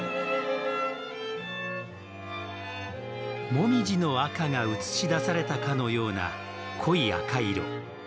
モミジの赤が写し出されたかのような濃い赤色。